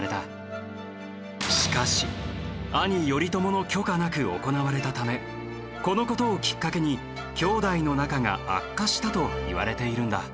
しかし兄頼朝の許可なく行われたためこの事をきっかけに兄弟の仲が悪化したといわれているんだ。